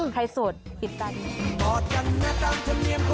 ใครสดปิดตาดี